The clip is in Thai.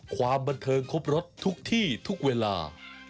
ความบันเทิงครบรถทุกที่ทุกเวลา